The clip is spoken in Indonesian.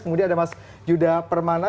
kemudian ada mas yuda permana